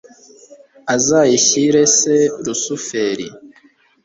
azayishyire se lusuferi